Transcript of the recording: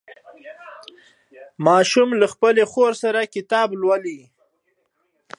ماشوم له خپلې خور سره کتاب لولي